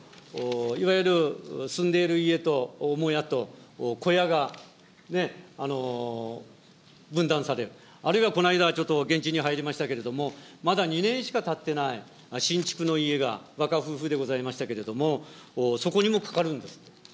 いわゆる住んでいる家と母家と小屋が分断される、あるいはこの間ちょっと現地に入りましたけれども、まだ２年しかたってない新築の家が、若夫婦でございましたけれども、そこにもかかるんです。